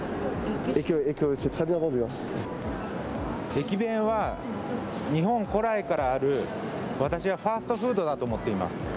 駅弁は、日本古来からある私はファストフードだと思っています。